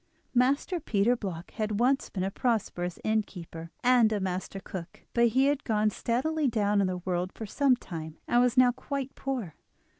Master Peter Bloch had once been a prosperous innkeeper, and a master cook; but he had gone steadily down in the world for some time, and was now quite poor.